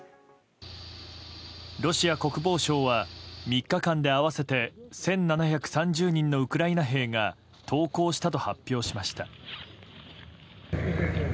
ロシア国防省は３日間で合わせて１７３０人のウクライナ兵が投降したと発表しました。